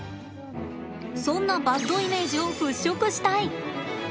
そんなバッドイメージを払拭したい！